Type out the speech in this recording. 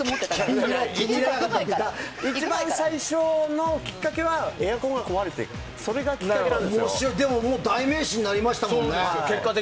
一番最初のきっかけはエアコンが壊れてでも代名詞になりましたもんね。